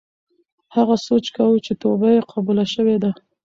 هغه سوچ کاوه چې توبه یې قبوله شوې ده.